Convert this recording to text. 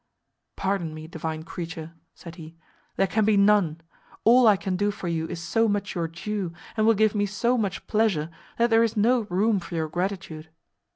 "Pardon me, divine creature," said he, "there can be none. All I can do for you is so much your due, and will give me so much pleasure, that there is no room for your gratitude."